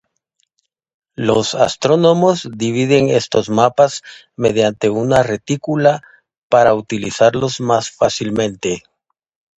Los astrónomos dividen estos mapas mediante una retícula para utilizarlos más fácilmente.